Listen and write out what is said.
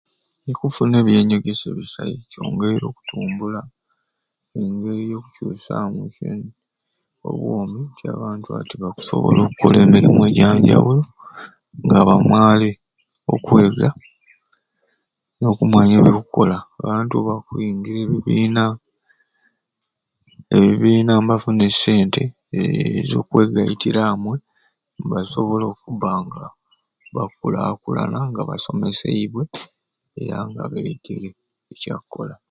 Okufuna ebyanyegesya ebisai kyongeire okutumbula kyongeire okucuusamu obwoomi nti abantu ati bakusobola okkola emirimu egyanjawulo nga bamaare okwega n'okumanya ebyakkola abantu bakwingira ebibiina ebibiina nibafuna e sente ez'okwegaitira amwe nibasobola okubba nga bikulaakulana nga basomeseibwe era nga beegere ekyakkola.